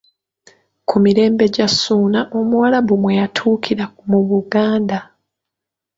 Ku mirembe gya Ssuuna Omuwarabu mwe yatuukira mu Buganda.